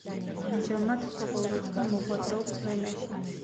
ამჟამად ცხოვრობს და მოღვაწეობს ვენაში.